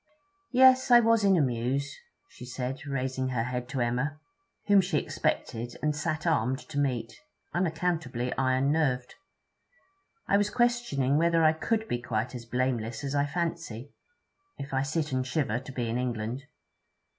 'Yes, I was in a muse,' she said, raising her head to Emma, whom she expected and sat armed to meet, unaccountably iron nerved. 'I was questioning whether I could be quite as blameless as I fancy, if I sit and shiver to be in England.